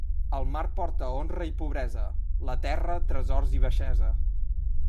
El mar porta honra i pobresa; la terra, tresors i baixesa.